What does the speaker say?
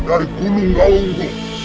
dari gunung launggung